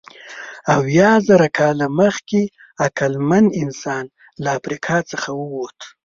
اویازره کاله مخکې عقلمن انسانان له افریقا څخه ووتل.